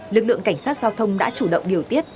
lực lượng cảnh sát giao thông đã chủ động điều tiết